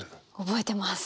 覚えてます。